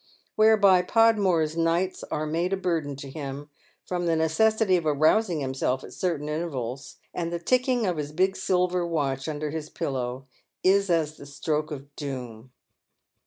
Whereby Podmore's nights are made a burden to him from the necessity of arousing himself at certain intervals, and the ticking of hia big silver watch under Lis pillow is as the stroke of doom.